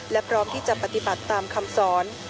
และพร้อมที่จะปฏิบัติตามคำสอน